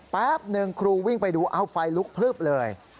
แป๊บนึงครูวิ่งไปดูไฟลุกพลึบเลย